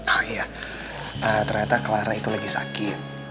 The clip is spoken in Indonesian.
ah iya ternyata clara itu lagi sakit